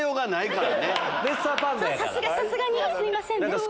さすがにすいませんね。